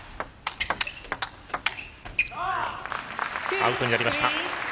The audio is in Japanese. アウトになりました。